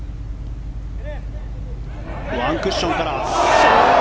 ワンクッションから。